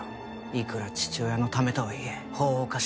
いくら父親のためとはいえ法を犯し偽って。